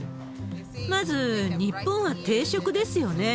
まず、日本は定食ですよね。